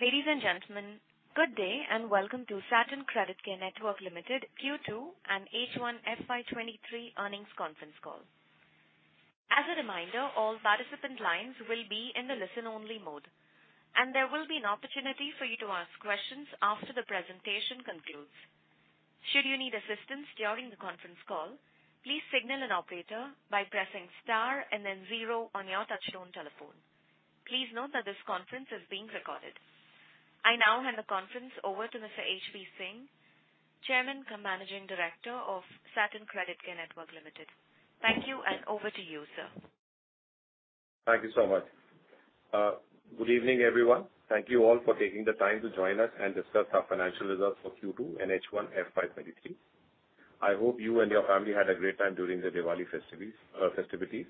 Ladies and gentlemen, good day, and welcome to Satin Creditcare Network Limited Q2 and H1 FY 2023 earnings conference call. As a reminder, all participant lines will be in the listen-only mode, and there will be an opportunity for you to ask questions after the presentation concludes. Should you need assistance during the conference call, please signal an operator by pressing star and then zero on your touchtone telephone. Please note that this conference is being recorded. I now hand the conference over to Mr. H.P. Singh, Chairman and Managing Director of Satin Creditcare Network Limited. Thank you, and over to you, sir. Thank you so much. Good evening, everyone. Thank you all for taking the time to join us and discuss our financial results for Q2 and H1 FY 2023. I hope you and your family had a great time during the Diwali festivities.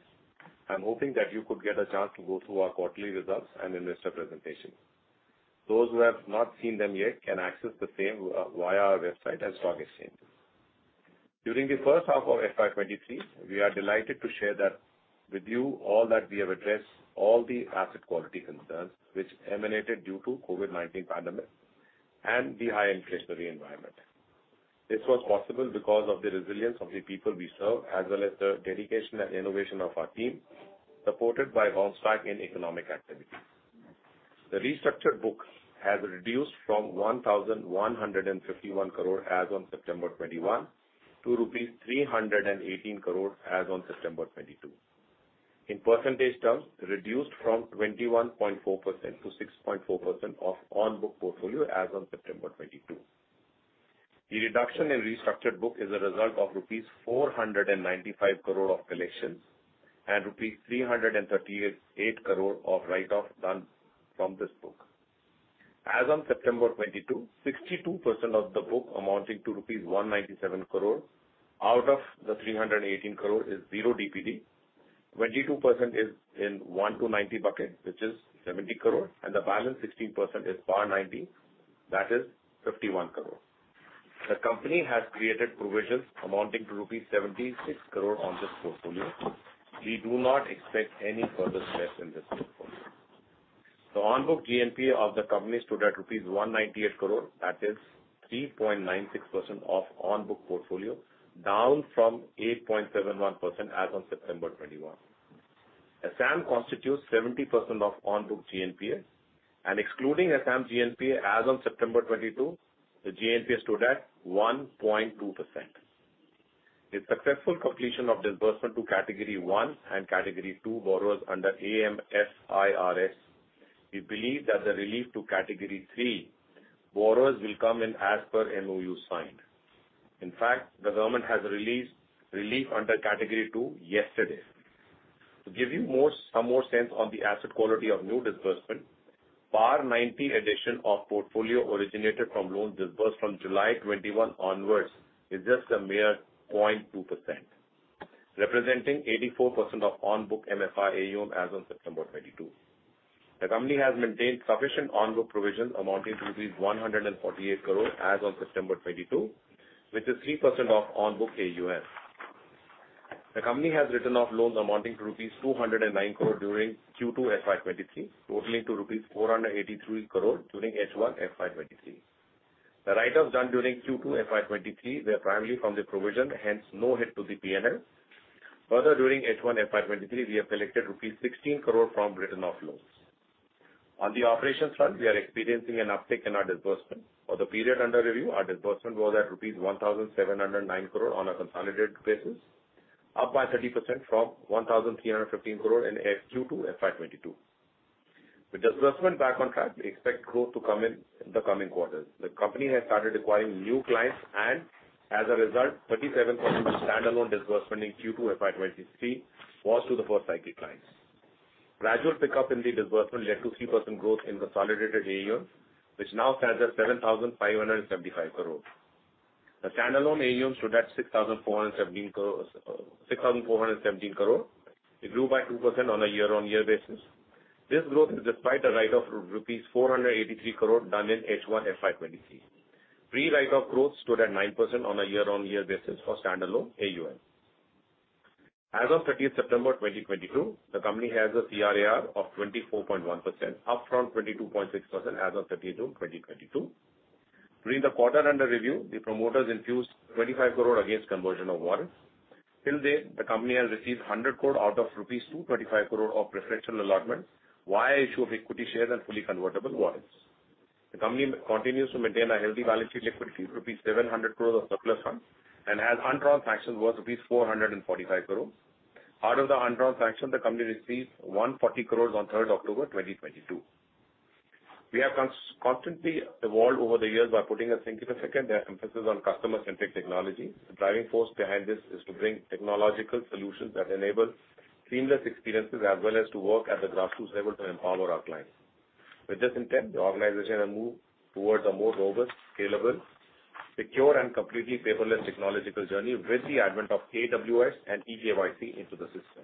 I'm hoping that you could get a chance to go through our quarterly results and investor presentation. Those who have not seen them yet can access the same via our website at stock exchange. During the first half of FY 2023, we are delighted to share that with you all that we have addressed all the asset quality concerns which emanated due to COVID-19 pandemic and the high inflationary environment. This was possible because of the resilience of the people we serve, as well as the dedication and innovation of our team, supported by a bounce back in economic activities. The restructured book has reduced from 1,151 crore as on September 2021 to rupees 318 crore as on September 2022. In percentage terms, reduced from 21.4% to 6.4% of on-book portfolio as of September 2022. The reduction in restructured book is a result of rupees 495 crore of collections and rupees 338 crore of write-off done from this book. As on September 2022, 62% of the book amounting to rupees 197 crore out of the 318 crore is 0 DPD. 22% is in one to 90 bucket, which is 70 crore, and the balance 16% is PAR 90, that is 51 crore. The company has created provisions amounting to rupees 76 crore on this portfolio. We do not expect any further stress in this portfolio. The on-book GNPA of the company stood at rupees 198 crore. That is 3.96% of on-book portfolio, down from 8.71% as on September 2021. Assam constitutes 70% of on-book GNPA and excluding Assam GNPA as on September 2022, the GNPA stood at 1.2%. The successful completion of disbursement to Category One and Category Two borrowers under AMFIRS. We believe that the relief to Category Three borrowers will come in as per MoU signed. In fact, the government has released relief under Category Two yesterday. To give you more, some more sense on the asset quality of new disbursement, PAR 90 addition of portfolio originated from loans disbursed from July 2021 onwards is just a mere 0.2%, representing 84% of on-book MFI AUM as of September 2022. The company has maintained sufficient on-book provisions amounting to INR 148 crore as of September 2022, which is 3% of on-book AUM. The company has written off loans amounting to rupees 209 crore during Q2 FY 2023, totaling to rupees 483 crore during H1 FY 2023. The write-offs done during Q2 FY 2023 were primarily from the provision, hence no hit to the PNL. Further during H1 FY 2023, we have collected rupees 16 crore from written off loans. On the operations front, we are experiencing an uptick in our disbursement. For the period under review, our disbursement was at rupees 1,709 crore on a consolidated basis, up by 30% from 1,315 crore in Q2 FY 2022. With disbursement back on track, we expect growth to come in the coming quarters. The company has started acquiring new clients, and as a result, 37% of standalone disbursement in Q2 FY 2023 was to the first-time clients. Gradual pickup in the disbursement led to 3% growth in consolidated AUM, which now stands at 7,575 crore. The standalone AUM stood at 6,417 crore. It grew by 2% on a year-on-year basis. This growth is despite a write-off of INR 483 crore done in H1 FY 2023. Pre-write-off growth stood at 9% on a year-on-year basis for standalone AUM. As of 30th September 2022, the company has a CRAR of 24.1%, up from 22.6% as of 31 March 2022. During the quarter under review, the promoters infused 25 crore against conversion of warrants. Till date, the company has received 100 crore out of rupees 225 crore of preferential allotments via issue of equity shares and fully convertible warrants. The company continues to maintain a healthy balance sheet equity, rupees 700 crores of surplus funds and has undrawn sanction worth rupees 445 crore. Out of the undrawn sanction, the company received 140 crores on 3rd October 2022. We have constantly evolved over the years by putting a significant emphasis on customer-centric technology. The driving force behind this is to bring technological solutions that enable seamless experiences as well as to work at the grassroots level to empower our clients. With this intent, the organization will move towards a more robust, scalable, secure and completely paperless technological journey with the advent of AWS and eKYC into the system.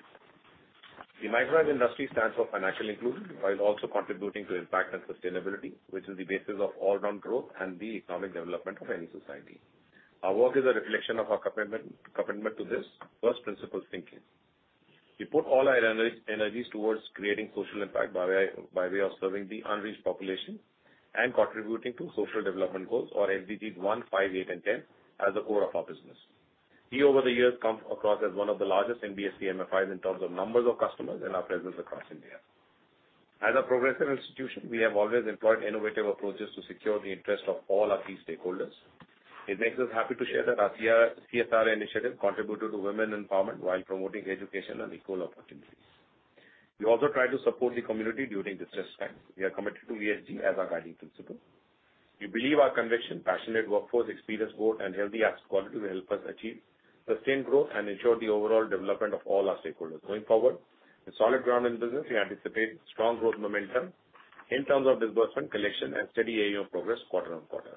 The microfinance industry stands for financial inclusion while also contributing to impact and sustainability, which is the basis of all round growth and the economic development of any society. Our work is a reflection of our commitment to this first principle thinking. We put all our energies towards creating social impact by way of serving the unreached population and contributing to social development goals or SDGs one, five, eight, and ten as the core of our business. We, over the years, come across as one of the largest NBFC-MFIs in terms of numbers of customers and our presence across India. As a progressive institution, we have always employed innovative approaches to secure the interest of all our key stakeholders. It makes us happy to share that our CSR initiatives contributed to women empowerment while promoting education and equal opportunities. We also try to support the community during distressed times. We are committed to ESG as our guiding principle. We believe our conviction, passionate workforce, experienced board, and healthy asset quality will help us achieve sustained growth and ensure the overall development of all our stakeholders. Going forward, with solid ground in business, we anticipate strong growth momentum in terms of disbursement, collection, and steady AUM progress quarter on quarter.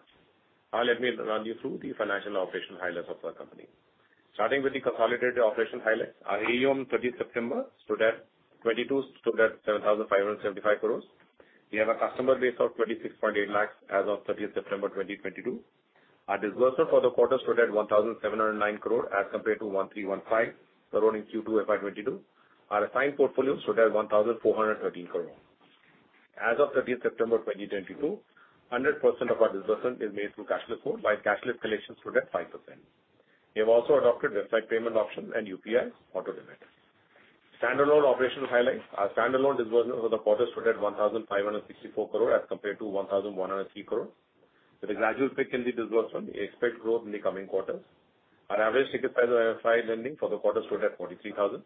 Now let me run you through the financial and operational highlights of our company. Starting with the consolidated operational highlights. Our AUM, 30th September, stood at 7,575 crore. We have a customer base of 26.8 lakh as of 30th September 2022. Our disbursement for the quarter stood at 1,709 crore as compared to 1,315 crore in Q2 FY 2022. Our assigned portfolio stood at 1,413 crore. As of 30th September 2022, 100% of our disbursement is made through cashless mode, while cashless collections stood at 5%. We have also adopted website payment options and UPI auto debit. Stand-alone operational highlights. Our stand-alone disbursement over the quarter stood at 1,564 crore as compared to 1,103 crore. With a gradual pick in the disbursement, we expect growth in the coming quarters. Our average ticket size of our FI lending for the quarter stood at 43,000.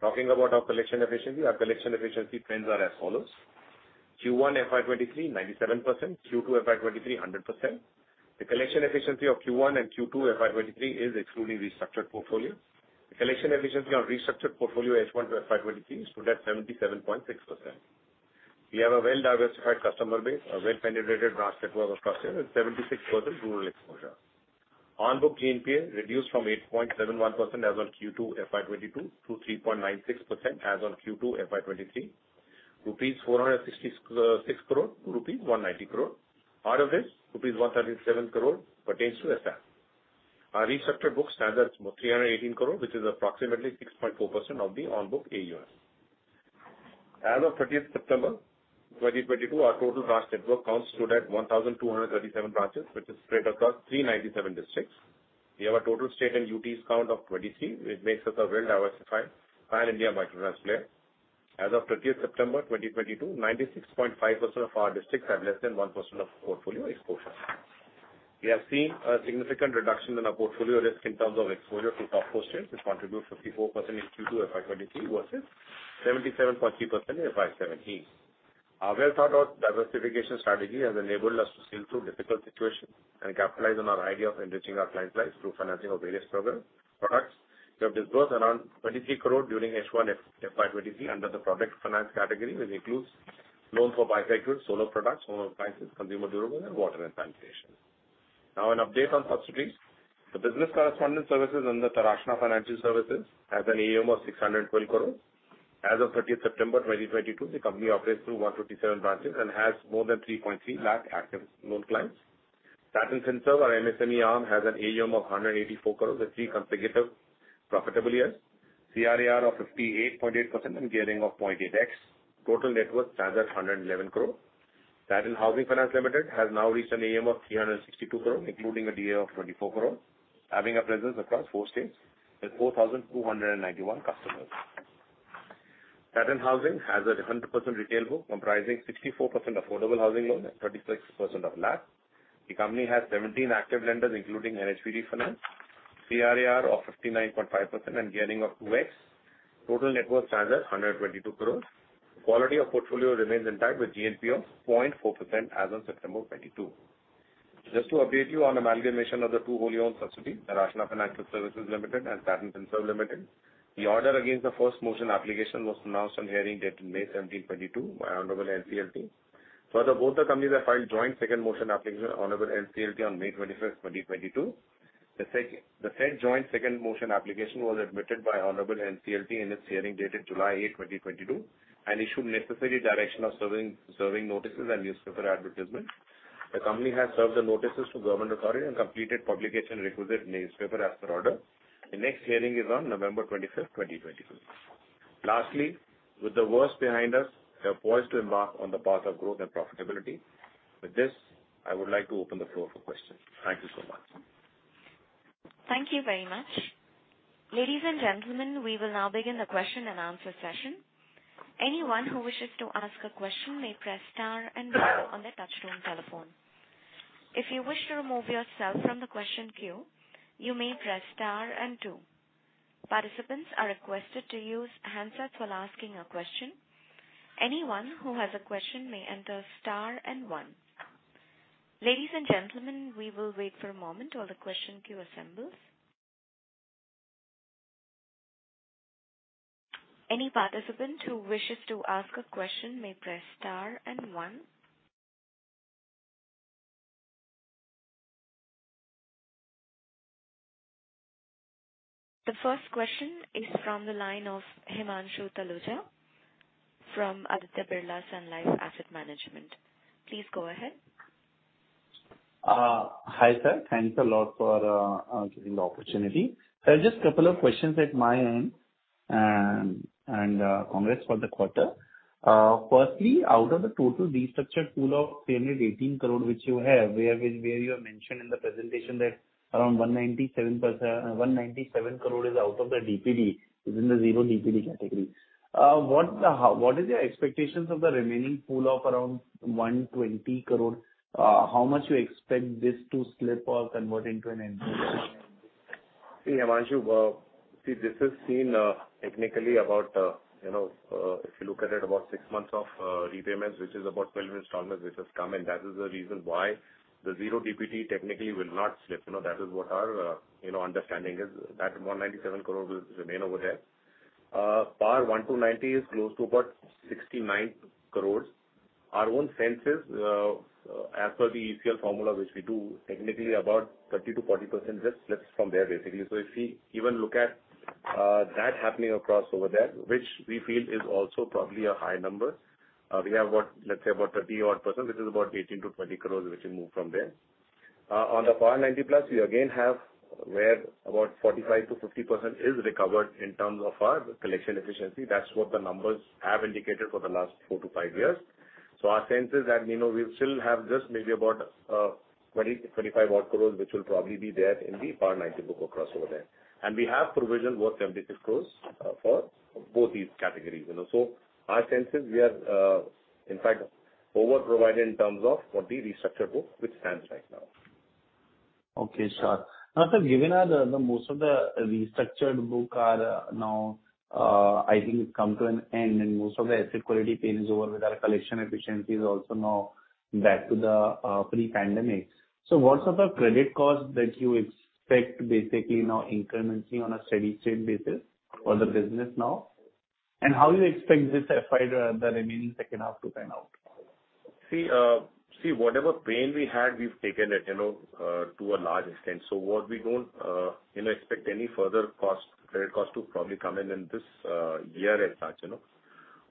Talking about our collection efficiency, our collection efficiency trends are as follows. Q1 FY 2023, 97%. Q2 FY 2023, 100%. The collection efficiency of Q1 and Q2 FY 2023 is excluding restructured portfolio. The collection efficiency on restructured portfolio H1 FY 2023 stood at 77.6%. We have a well-diversified customer base, a well-penetrated branch network of customers with 76% rural exposure. On-book GNPA reduced from 8.71% as of Q2 FY 2022 to 3.96% as of Q2 FY 2023. 466 crore-190 crore rupees. Out of this, rupees 137 crore pertains to SF. Our restructured book stands at 318 crore, which is approximately 6.4% of the on-book AUMs. As of 30th September 2022, our total branch network count stood at 1,237 branches, which is spread across 397 districts. We have a total state and UTs count of 2023, which makes us a well-diversified pan-India microfinance player. As of 30th September 2022, 96.5% of our districts have less than 1% of portfolio exposure. We have seen a significant reduction in our portfolio risk in terms of exposure to top customers, which contribute 54% in Q2 FY 2023 versus 77.3% in FY 2017. Our well-thought-out diversification strategy has enabled us to sail through difficult situations and capitalize on our idea of enriching our client lives through financing of various program, products. We have disbursed around 23 crore during H1 FY 2023 under the product finance category, which includes loans for bicycles, solar products, home appliances, consumer durables, and water and sanitation. Now an update on subsidiaries. The business correspondent services under Taraashna Financial Services has an AUM of 612 crore. As of 30th September 2022, the company operates through 157 branches and has more than 3.3 lakh active loan clients. Satin Finserv, our MSME arm, has an AUM of 184 crores with three consecutive profitable years, CRAR of 58.8% and gearing of 0.8x. Total net worth stands at 111 crore. Satin Housing Finance Limited has now reached an AUM of 362 crore, including a DA of 24 crore, having a presence across four states with 4,291 customers. Satin Housing has a 100% retail book comprising 64% affordable housing loans and 36% of LAP. The company has 17 active lenders, including NHB, CRAR of 59.5% and gearing of 2x. Total net worth stands at 122 crore. The quality of portfolio remains intact with GNPA of 0.4% as of September 2022. Just to update you on amalgamation of the two wholly-owned subsidiaries, Taraashna Financial Services Limited and Satin Finserv Limited. The order against the first motion application was announced on hearing date in May 17, 2022 by Honorable NCLT. Further, both the companies have filed joint second motion application with Honorable NCLT on May 21, 2022. The said joint second motion application was admitted by Honorable NCLT in its hearing dated July eighth, 2022 and issued necessary direction of serving notices and newspaper advertisement. The company has served the notices to government authority and completed requisite publication in the newspaper as per order. The next hearing is on November 25th, 2022. Lastly, with the worst behind us, we are poised to embark on the path of growth and profitability. With this, I would like to open the floor for questions. Thank you so much. Thank you very much. Ladies and gentlemen, we will now begin the question and answer session. Anyone who wishes to ask a question may press star and one on their touchtone telephone. If you wish to remove yourself from the question queue, you may press star and two. Participants are requested to use handsets while asking a question. Anyone who has a question may enter star and one. Ladies and gentlemen, we will wait for a moment while the question queue assembles. Any participant who wishes to ask a question may press star and one. The first question is from the line of Himanshu Taluja from Aditya Birla Sun Life AMC Limited. Please go ahead. Hi, sir. Thanks a lot for giving the opportunity. Sir, just couple of questions at my end and comments for the quarter. Firstly, out of the total restructured pool of 318 crore which you have, where you have mentioned in the presentation that around 197 crore is out of the DPD, is in the 0 DPD category. What is your expectations of the remaining pool of around 120 crore? How much you expect this to slip or convert into an NPA? See, Himanshu, this is technically about, you know, if you look at it about six months of repayments which is about 12 installments which has come, and that is the reason why the zero DPD technically will not slip, you know. That is what our, you know, understanding is that 197 crore will remain over here. PAR one to 90 is close to about 69 crore. Our own sense is, as per the ECL formula which we do technically about 30%-40% just slips from there basically. If we even look at that happening across over there, which we feel is also probably a high number, we have about, let's say about 30-odd%, which is about 18 crore-20 crore which will move from there. On the PAR 90 plus, we again have where about 45%-50% is recovered in terms of our collection efficiency. That's what the numbers have indicated for the last four to five years. Our sense is that, you know, we still have just maybe about 20 odd crore-INR 25 odd crores, which will probably be there in the PAR 90 book in Assam over there. We have provisioned about 76 crores for both these categories, you know. Our sense is we are, in fact, over-provided in terms of what the restructured book, which stands right now. Okay, sure. Now, sir, given the most of the restructured book are now I think come to an end and most of the asset quality pain is over with our collection efficiencies also now back to the pre-pandemic. What are the credit costs that you expect basically now incrementally on a steady state basis for the business now? How you expect this to play out the remaining second half to pan out? See, whatever pain we had, we've taken it, you know, to a large extent. What we don't, you know, expect any further credit cost to probably come in in this year as such, you know.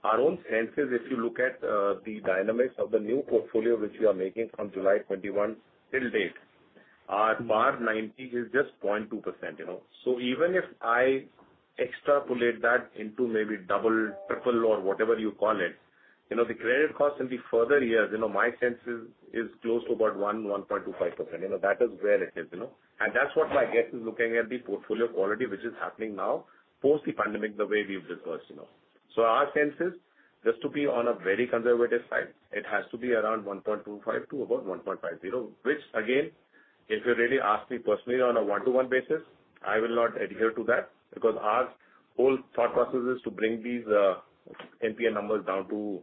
Our own sense is if you look at the dynamics of the new portfolio which we are making from July 2021 till date, our PAR 90 is just 0.2%, you know. Even if I extrapolate that into maybe double, triple or whatever you call it, you know, the credit cost in the further years, you know, my sense is close to about 1.25%. You know, that is where it is, you know. That's what my guess is looking at the portfolio quality which is happening now post the pandemic, the way we've dispersed, you know. Our sense is just to be on a very conservative side, it has to be around 1.25 to about 1.50, which again, if you really ask me personally on a one-to-one basis, I will not adhere to that because our whole thought process is to bring these NPA numbers down to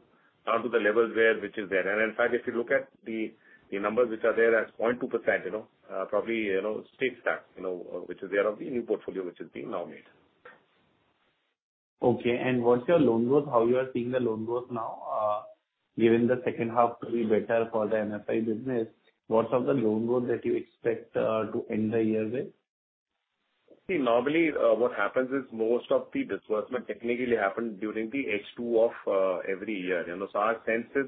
the levels where which is there. In fact, if you look at the numbers which are there as 0.2%, you know, probably, you know, stays at that, you know, which is there of the new portfolio which is being now made. Okay. What's your loan growth? How you are seeing the loan growth now, given the second half to be better for the MFI business, what are the loan growth that you expect, to end the year with? See, normally, what happens is most of the disbursement technically happened during the H2 of every year, you know. Our sense is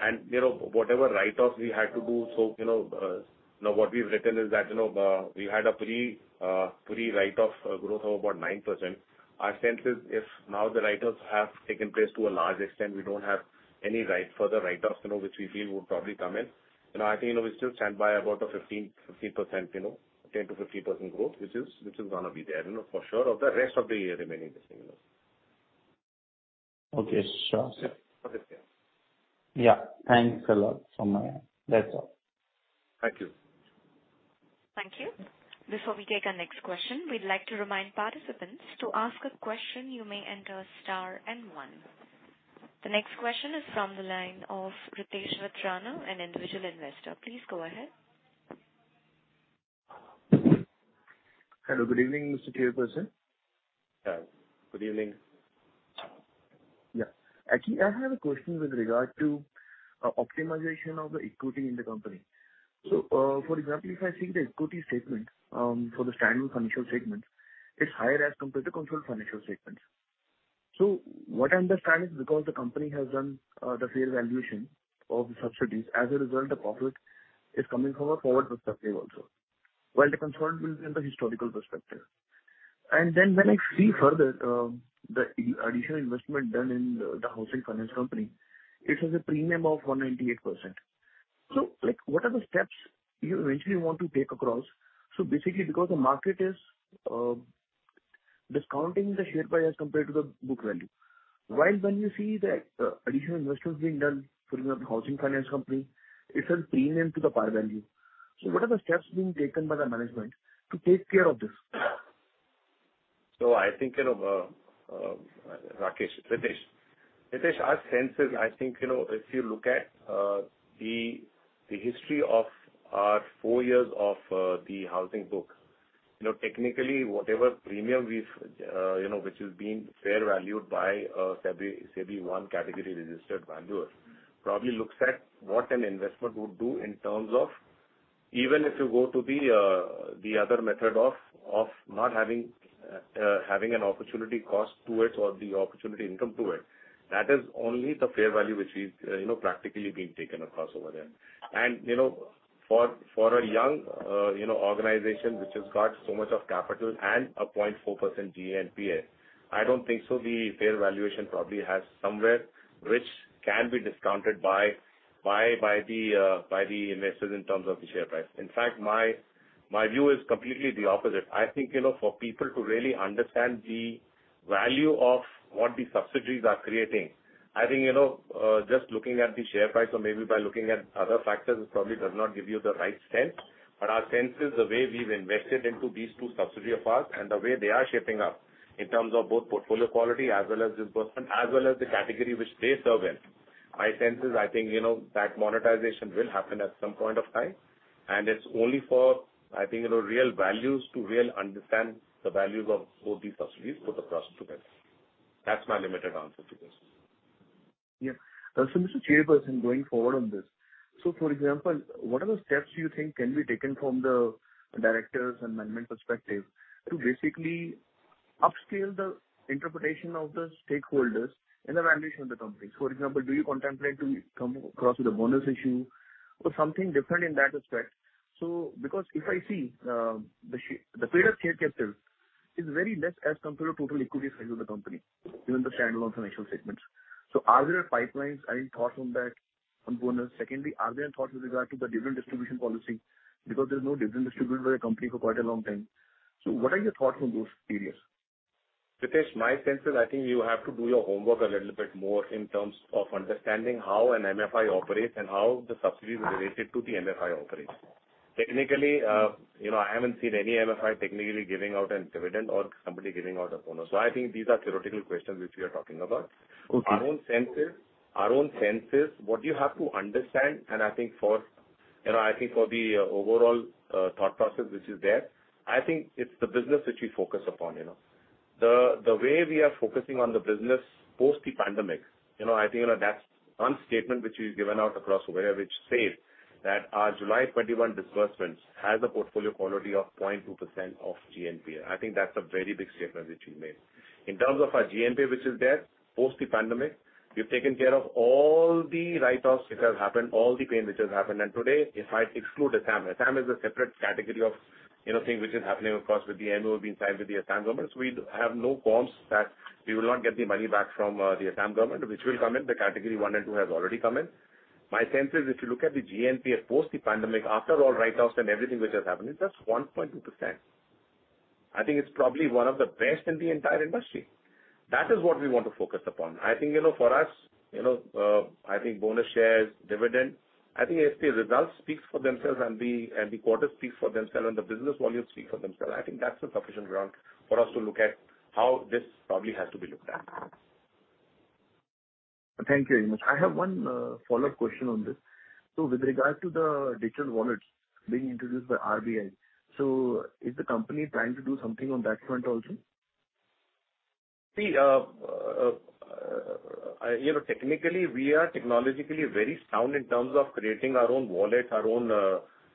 and, you know, whatever write-offs we had to do, so, you know, now what we've written is that, you know, we had a pre-write-off growth of about 9%. Our sense is if now the write-offs have taken place to a large extent, we don't have any further write-offs, you know, which we feel would probably come in. You know, I think, you know, we still stand by about a 15%, you know, 10%-15% growth, which is gonna be there, you know, for sure of the rest of the year remaining this thing, you know. Okay, sure. Okay. Yeah. Thanks a lot from my end. That's all. Thank you. Thank you. Before we take our next question, we'd like to remind participants to ask a question, you may enter star and one. The next question is from the line of Ritesh Veera, an individual investor. Please go ahead. Hello, good evening, Mr. Chairperson. Hi. Good evening. Yeah. Actually, I have a question with regard to optimization of the equity in the company. For example, if I see the equity statement for the standalone financial statements, it's higher as compared to consolidated financial statements. What I understand is because the company has done the fair valuation of the subsidiaries, as a result the profit is coming from a forward perspective also. While the consolidated will be in the historical perspective. Then when I see further, the additional investment done in the housing finance company, it has a premium of 198%. Like, what are the steps you eventually want to take across? Basically because the market is discounting the share price as compared to the book value. When you see the additional investments being done, for example, housing finance company, it's a premium to the par value. What are the steps being taken by the management to take care of this? I think, you know, Ritesh. Ritesh, our sense is I think, you know, if you look at the history of our four years of the housing book, you know, technically, whatever premium we've, you know, which is being fair valued by a SEBI Category I registered valuers, probably looks at what an investment would do in terms of. Even if you go to the other method of not having an opportunity cost to it or the opportunity income to it, that is only the fair value which is, you know, practically being taken across over there. You know, for a young organization which has got so much of capital and 0.4% GNPA, I don't think so the fair valuation probably has somewhere which can be discounted by the investors in terms of the share price. In fact, my view is completely the opposite. I think, you know, for people to really understand the value of what the subsidiaries are creating, I think, you know, just looking at the share price or maybe by looking at other factors, it probably does not give you the right sense. But our sense is the way we've invested into these two subsidiary of ours and the way they are shaping up in terms of both portfolio quality as well as disbursement, as well as the category which they serve in. My sense is, I think, you know, that monetization will happen at some point of time, and it's only for, I think, you know, real values to really understand the values of both these subsidiaries for the trust to invest. That's my limited answer to this. Yeah. Mr. Chairperson, going forward on this, for example, what are the steps you think can be taken from the directors and management perspective to basically upscale the interpretation of the stakeholders in the valuation of the company? For example, do you contemplate to come across with a bonus issue or something different in that aspect? Because if I see, the paid-up share capital is very less as compared to total equity size of the company, even the standalone financial statements. Are there plans, any thought on that, on bonus? Secondly, are there any thoughts with regard to the dividend distribution policy? Because there's no dividend distributed by the company for quite a long time. What are your thoughts on those areas? Ritesh, my sense is, I think you have to do your homework a little bit more in terms of understanding how an MFI operates and how the subsidies are related to the MFI operations. Technically, you know, I haven't seen any MFI technically giving out a dividend or somebody giving out a bonus. I think these are theoretical questions which we are talking about. Okay. Our own sense is what you have to understand, and I think for you know I think for the overall thought process which is there, I think it's the business which we focus upon, you know. The way we are focusing on the business post the pandemic, you know, I think you know that's one statement which we've given out across which says that our July 2021 disbursements has a portfolio quality of 0.2% of GNPA. I think that's a very big statement which we made. In terms of our GNPA, which is there post the pandemic, we've taken care of all the write-offs which has happened, all the pain which has happened. Today, if I exclude Assam is a separate category of you know thing which is happening across with the MoU being signed with the Assam government. We have no qualms that we will not get the money back from the Assam government, which will come in. The Category one and two has already come in. My sense is if you look at the GNPA post the pandemic, after all write-offs and everything which has happened, it's just 1.2%. I think it's probably one of the best in the entire industry. That is what we want to focus upon. I think, you know, for us, you know, I think bonus shares, dividend, I think as the results speaks for themselves and the quarter speaks for themselves and the business volumes speak for themselves, I think that's a sufficient ground for us to look at how this probably has to be looked at. Thank you very much. I have one follow-up question on this. With regards to the digital wallets being introduced by RBI, so is the company trying to do something on that front also? See, you know, technically we are technologically very sound in terms of creating our own wallet, our own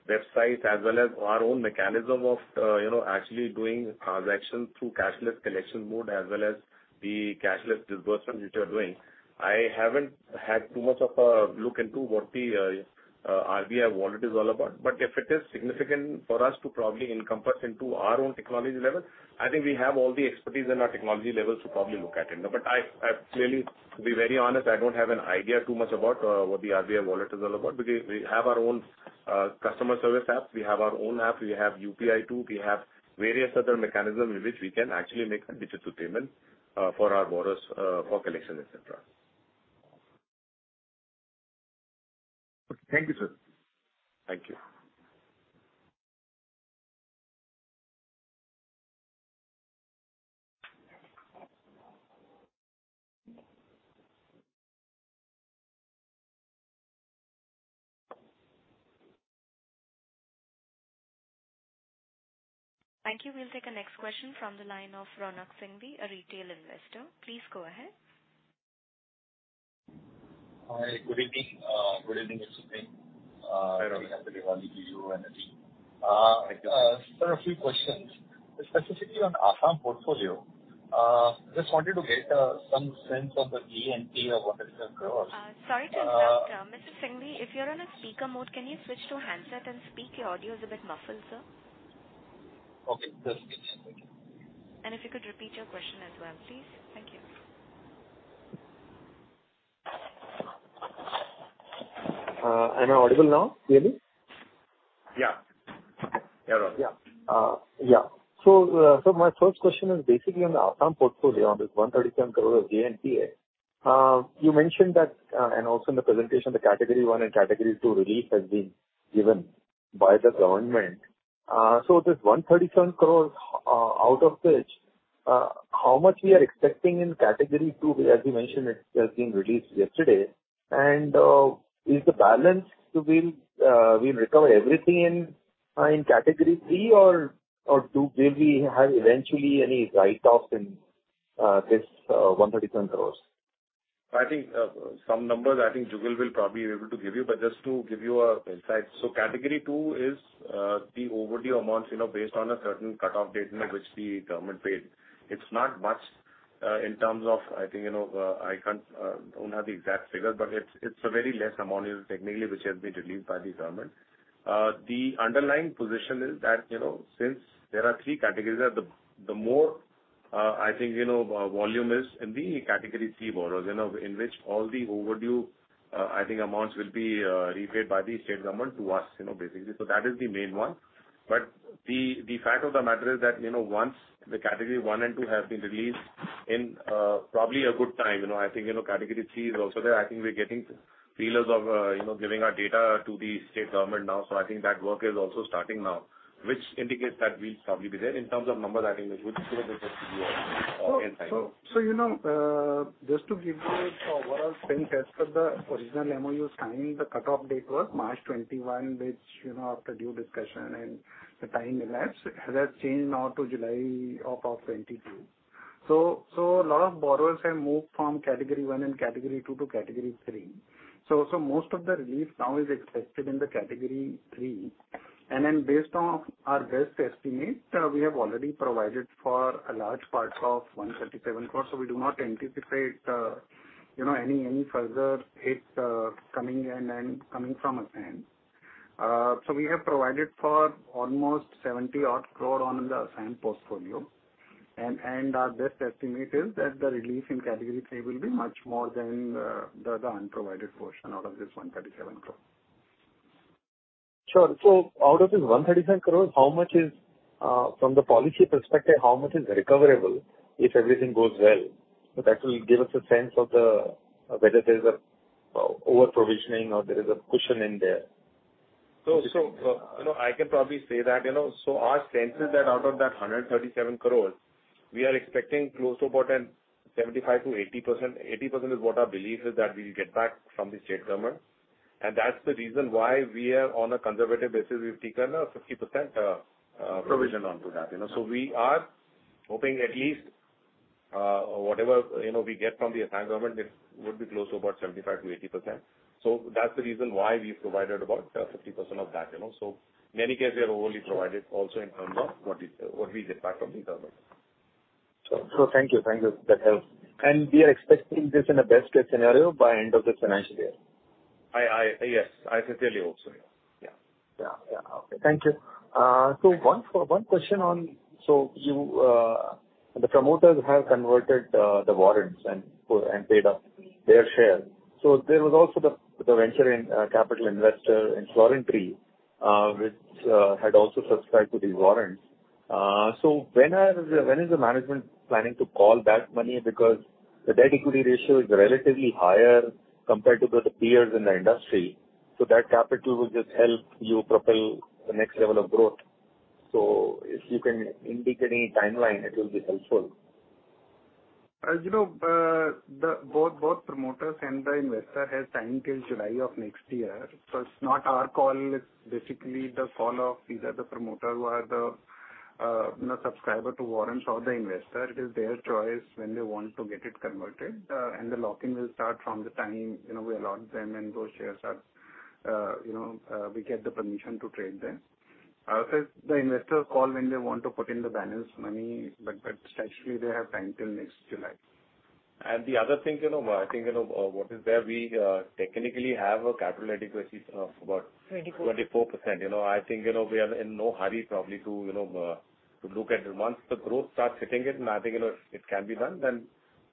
website, as well as our own mechanism of, you know, actually doing transactions through cashless collection mode as well as the cashless disbursement which we are doing. I haven't had too much of a look into what the RBI wallet is all about. If it is significant for us to probably encompass into our own technology level, I think we have all the expertise in our technology levels to probably look at it. No, I clearly, to be very honest, I don't have an idea too much about what the RBI wallet is all about because we have our own customer service app. We have our own app. We have UPI too. We have various other mechanism in which we can actually make a digital payment for our borrowers, for collection, et cetera. Thank you, sir. Thank you. Thank you. We'll take a next question from the line of Ronak Singhi, a retail investor. Please go ahead. Hi. Good evening. Good evening, Mr. Singh. Hi, Ronak. Very happy to talk to you and the team. Sir, a few questions, specifically on Assam portfolio. Just wanted to get some sense of the GNPA of what is across. Sorry to interrupt. Mr. Singhi, if you're on a speaker mode, can you switch to handset and speak? Your audio is a bit muffled, sir. Okay, sure. Thank you. If you could repeat your question as well, please. Thank you. Am I audible now clearly? Yeah. You're on. My first question is basically on the Assam portfolio, on this 137 crore of GNPA. You mentioned that, and also in the presentation, the Category one and Category two relief has been given by the government. This 137 crores, out of which, how much we are expecting in Category two? Because as you mentioned, it has been released yesterday. Is the balance to be, we'll recover everything in Category three or do we have eventually any write-off in this 137 crores? I think some numbers I think Jugal will probably be able to give you. Just to give you an insight. Category two is the overdue amounts, you know, based on a certain cutoff date in which the government paid. It's not much in terms of, I think, you know, I don't have the exact figure, but it's a very less amount technically which has been relieved by the government. The underlying position is that, you know, since there are three categories, the more volume is in the category C borrowers, you know, in which all the overdue amounts will be repaid by the state government to us, you know, basically. That is the main one. The fact of the matter is that, you know, once the category one and two have been released in probably a good time, you know, I think, you know, category C is also there. I think we're getting feelers of you know, giving our data to the state government now. I think that work is also starting now, which indicates that we'll probably be there. In terms of number, I think just give you a insight. You know, just to give you a overall sense as per the original MoUs signed, the cutoff date was March 21, which, you know, after due discussion and the time elapsed has changed now to July 2022. A lot of borrowers have moved from category one and category two to category three. Most of the relief now is expected in the category three. Then based on our best estimate, we have already provided for a large parts of 137 crores. We do not anticipate you know, any further hit coming in and coming from Assam. We have provided for almost 70 odd crore on the Assam portfolio and our best estimate is that the relief in category three will be much more than the unprovided portion out of this 137 crore. Sure. Out of this 137 crore, how much is, from the policy perspective, how much is recoverable if everything goes well? That will give us a sense of whether there is a overprovisioning or there is a cushion in there. You know, I can probably say that, you know, our sense is that out of that 137 crore, we are expecting close to about a 75%-80%. 80% is what our belief is that we will get back from the state government, and that's the reason why we are on a conservative basis, we've taken a 50%. Provision. provision onto that, you know. We are hoping at least, whatever, you know, we know we get from the Assam government, it would be close to about 75%-80%. That's the reason why we've provided about 50% of that, you know. In any case we have overly provided also in terms of what is, what we get back from the government. Thank you. Thank you. That helps. We are expecting this in a best case scenario by end of this financial year. Yes, I can tell you also, yeah. Yeah, yeah. Okay. Thank you. One question, the promoters have converted the warrants and paid off their share. There was also the venture capital investor in Florintree, which had also subscribed to these warrants. When is the management planning to call that money? Because the debt-equity ratio is relatively higher compared to the peers in the industry, that capital will just help you propel the next level of growth. If you can indicate any timeline, it will be helpful. As you know, both promoters and the investor has time till July of next year. It's not our call. It's basically the call of either the promoter who are the, you know, subscriber to warrants or the investor. It is their choice when they want to get it converted. The lock-in will start from the time, you know, we allot them and those shares are, you know, we get the permission to trade them. The investor call when they want to put in the balance money, but statistically they have time till next July. The other thing, you know, I think you know what is there, we technically have a capital adequacy of about. 24%. 24%. You know, I think, you know, we are in no hurry probably to, you know, to look at it. Once the growth starts hitting it and I think, you know, it can be done, then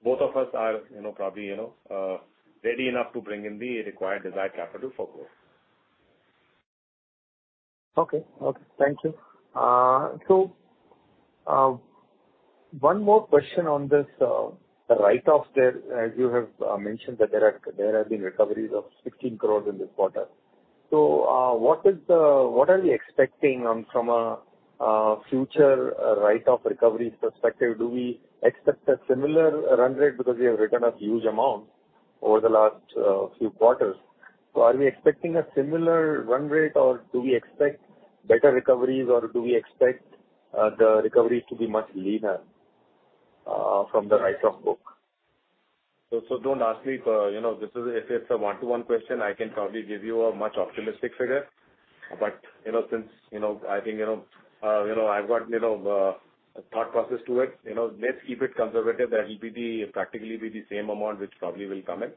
both of us are, you know, probably, you know, ready enough to bring in the required desired capital for growth. Okay. Thank you. One more question on this, the write-off there. As you have mentioned that there have been recoveries of 16 crore in this quarter. What are we expecting from a future write-off recoveries perspective? Do we expect a similar run rate because we have written off huge amount over the last few quarters. Are we expecting a similar run rate or do we expect better recoveries or do we expect the recoveries to be much leaner from the write-off book? Don't ask me for, you know, this is a. If it's a one-to-one question, I can probably give you a much optimistic figure. You know, since, you know, I think, you know, you know, I've got, you know, a thought process to it, you know, let's keep it conservative. That will be practically the same amount which probably will come in.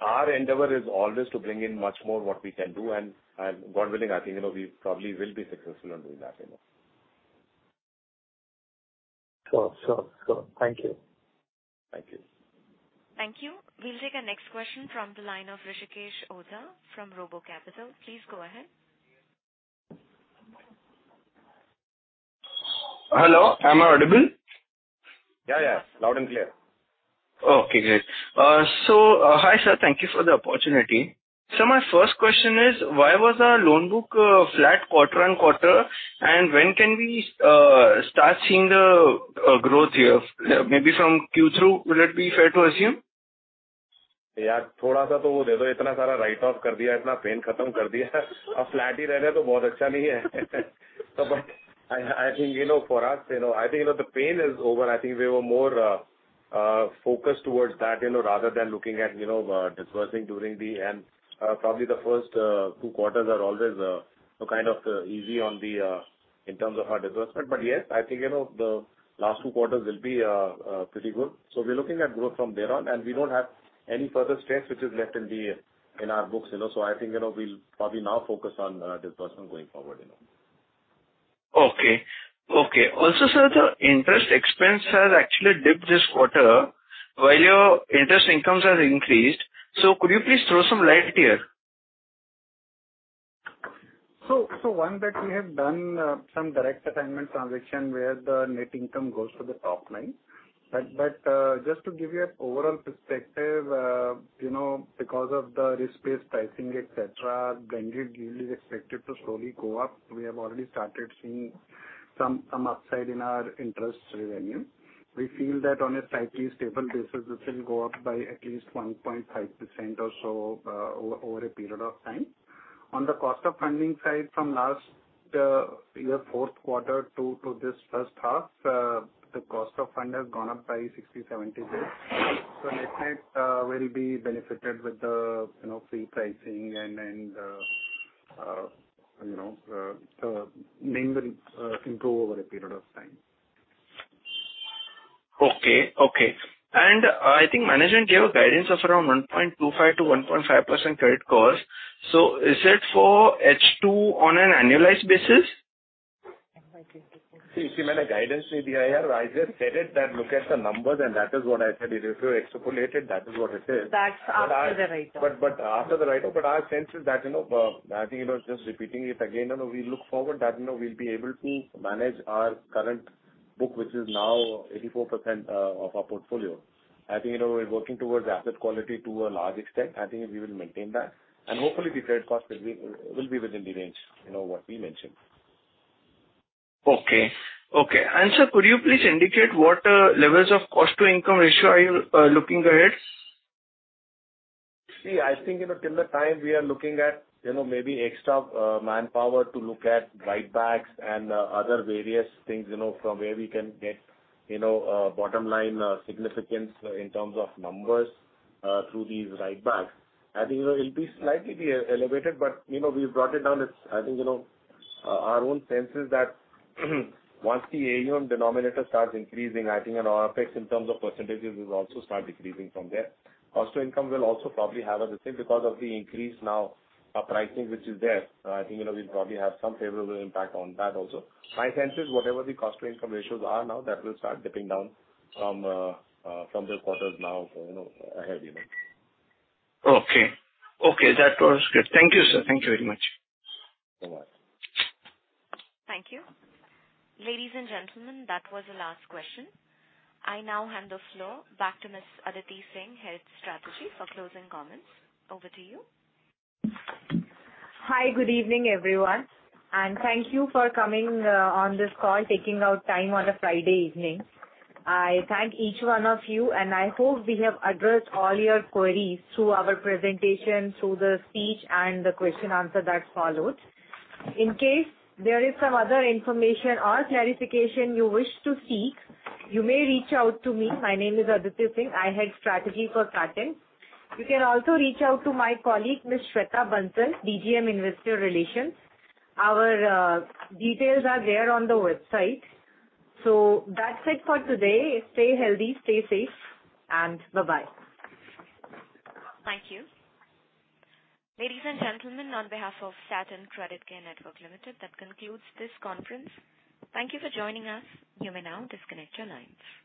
Our endeavor is always to bring in much more what we can do. God willing, I think, you know, we probably will be successful in doing that, you know. Sure. Thank you. Thank you. Thank you. We'll take our next question from the line of Rishikesh Oza from RoboCapital. Please go ahead. Hello, am I audible? Yeah, yeah. Loud and clear. Okay, great. Hi, sir. Thank you for the opportunity. My first question is why was our loan book flat quarter-on-quarter and when can we start seeing the growth here? Maybe from Q through, would it be fair to assume? I think, you know, for us, you know, I think, you know, the pain is over. I think we were more focused towards that, you know, rather than looking at, you know, disbursing during the end. Probably the first two quarters are always kind of easy in terms of our disbursement. Yes, I think, you know, the last two quarters will be pretty good. We're looking at growth from there on, and we don't have any further stress which is left in our books, you know. I think, you know, we'll probably now focus on disbursement going forward, you know. Okay. Also, sir, the interest expense has actually dipped this quarter while your interest incomes has increased. Could you please throw some light here? One that we have done some direct assignment transaction where the net income goes to the top line. Just to give you an overall perspective, you know, because of the risk-based pricing, et cetera, blended yield is expected to slowly go up. We have already started seeing some upside in our interest revenue. We feel that on a slightly stable basis, this will go up by at least 1.5% or so over a period of time. On the cost of funding side from last year fourth quarter to this first half, the cost of funds has gone up by 60-70 basis points. Net debt will be benefited with the, you know, fee pricing and NIM will improve over a period of time. I think management gave a guidance of around 1.25%-1.5% credit cost. Is it for H2 on an annualized basis? See, guidance. Okay. Sir, could you please indicate what levels of cost-to-income ratio are you looking ahead? See, I think, you know, till the time we are looking at, you know, maybe extra manpower to look at write-backs and other various things, you know, from where we can get, you know, bottom line significance in terms of numbers through these write-backs. I think, you know, it'll be slightly elevated, but, you know, we've brought it down. It's, I think, you know, our own sense is that once the AUM denominator starts increasing, I think our effects in terms of percentages will also start decreasing from there. Cost to income will also probably have a Okay. That was good. Thank you, sir. Thank you very much. You're welcome. Thank you. Ladies and gentlemen, that was the last question. I now hand the floor back to Miss Aditi Singh, Head of Strategy, for closing comments. Over to you. Hi. Good evening, everyone, and thank you for coming on this call, taking out time on a Friday evening. I thank each one of you, and I hope we have addressed all your queries through our presentation, through the speech and the question answer that followed. In case there is some other information or clarification you wish to seek, you may reach out to me. My name is Aditi Singh. I head Strategy for Satin. You can also reach out to my colleague, Miss Shweta Bansal, DGM Investor Relations. Our details are there on the website. So that's it for today. Stay healthy, stay safe, and bye-bye. Thank you. Ladies and gentlemen, on behalf of Satin Creditcare Network Limited, that concludes this conference. Thank you for joining us. You may now disconnect your lines.